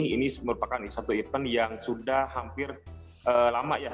ini merupakan satu event yang sudah hampir lama ya